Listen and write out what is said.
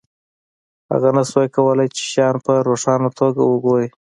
هغه نشوای کولی چې شیان په روښانه توګه وګوري